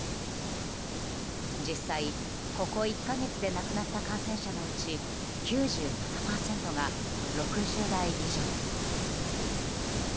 実際、ここ１か月で亡くなった感染者のうち９７％が６０代以上です。